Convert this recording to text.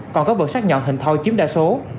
còn có vật sát nhọn hình thoi chiếm đa số